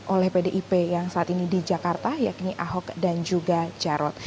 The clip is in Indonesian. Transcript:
oleh pdip yang saat ini di jakarta yakni ahok dan juga jarot